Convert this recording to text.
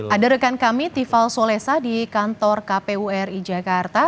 ada rekan kami tifal solesa di kantor kpu ri jakarta